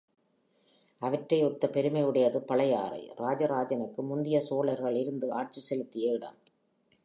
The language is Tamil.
அவற்றை ஒத்த பெருமை உடையது பழையாறை, ராஜராஜனுக்கு முந்திய சோழர்கள் இருந்து ஆட்சி செலுத்திய இடம்.